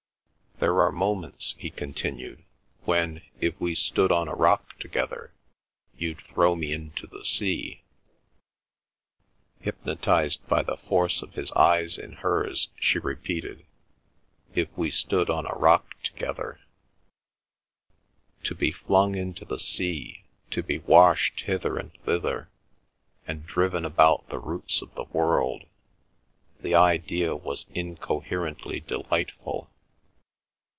There are moments," he continued, "when, if we stood on a rock together, you'd throw me into the sea." Hypnotised by the force of his eyes in hers, she repeated, "If we stood on a rock together—" To be flung into the sea, to be washed hither and thither, and driven about the roots of the world—the idea was incoherently delightful.